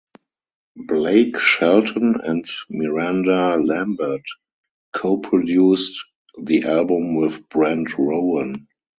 Blake Shelton and Miranda Lambert co-produced the album with Brent Rowan.